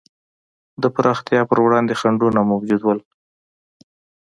د پراختیا پر وړاندې خنډونه موجود وو.